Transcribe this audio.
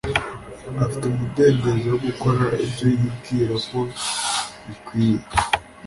afite umudendezo wo gukora ibyo yibwira ko bikwiye.